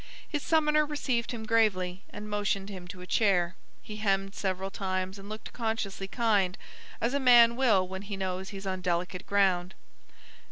His summoner received him gravely, and motioned him to a chair. He hemmed several times and looked consciously kind, as a man will when he knows he's on delicate ground.